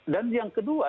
dan yang kedua